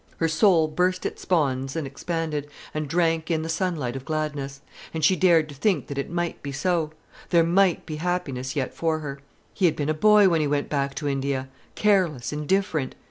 Her soul burst its bonds and expanded, and drank in the sunlight of gladness: and she dared to think that it might be so there might be happiness yet for her. He had been a boy when he went back to India careless, indifferent.